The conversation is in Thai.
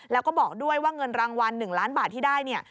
แล้วก็บอกด้วยว่าเงินรางวัล๑ล้านบาทที่ได้เนี่ย